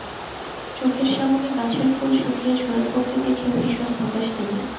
চোখের সামনে গাছের ফুল শুকিয়ে ঝরে পড়তে দেখে ভীষণ হতাশ তিনি।